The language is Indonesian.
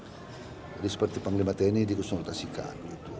jadi seperti panglima tni dikonsultasikan